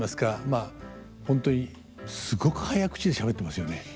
まあ本当にすごく早口でしゃべってますよね。